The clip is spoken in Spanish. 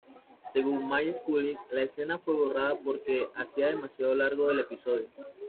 Según Mike Scully, la escena fue borrada porque hacía demasiado largo el episodio.